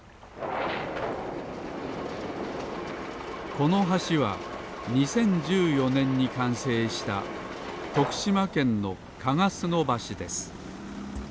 この橋は２０１４ねんにかんせいしたとくしまけんのかがすのばしです